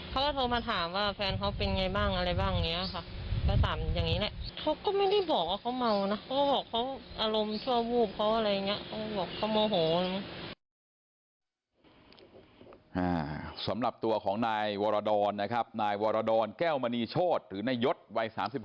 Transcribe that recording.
เขาก็โทรมาถามว่าแฟนเขาเป็นยังไงบ้างอะไรบ้างเนี่ยค่ะ